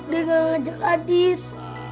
dia gak ngajak adis